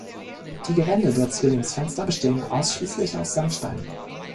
Die Gewände der Zwillingsfenster bestehen ausschließlich aus Sandstein.